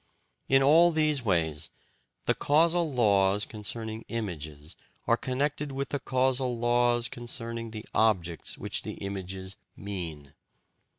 In all these ways the causal laws concerning images are connected with the causal laws concerning the objects which the images "mean."